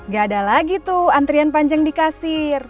gak ada lagi tuh antrian panjang di kasir